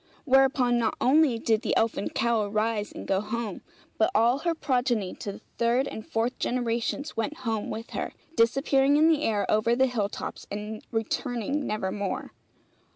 Whereupon not only did the elfin cow arise and go home, but all her progeny to the third and fourth generations went home with her, disappearing in the air over the hill tops and returning nevermore.